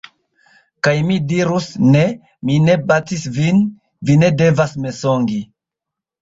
Kaj mi dirus: "Ne! Mi ne batis vin, vi ne devas mensogi!"